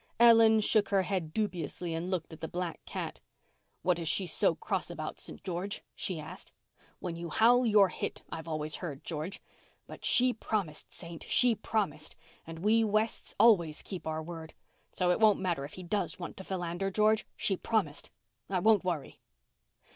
Ellen shook her head dubiously and looked at the black cat. "What is she so cross about, St. George?" she asked. "When you howl you're hit, I've always heard, George. But she promised, Saint—she promised, and we Wests always keep our word. So it won't matter if he does want to philander, George. She promised. I won't worry."